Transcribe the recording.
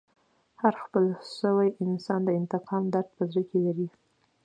هر خپل سوی انسان د انتقام درد په زړه کښي لري.